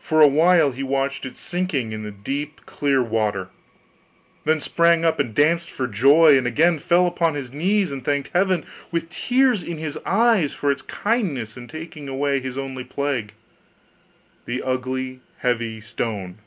For a while he watched it sinking in the deep clear water; then sprang up and danced for joy, and again fell upon his knees and thanked Heaven, with tears in his eyes, for its kindness in taking away his only plague, the ugly heavy stone.